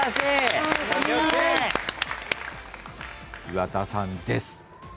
岩田さんです。